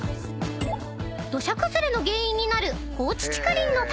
［土砂崩れの原因になる］